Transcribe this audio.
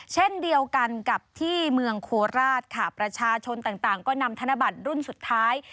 เช่นเดียวกันกับที่เมืองโคราชค่ะประชาชนต่างก็นำธนบัตรรุ่นสุดท้าย